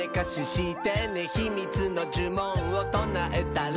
「ひみつのじゅもんをとなえたら」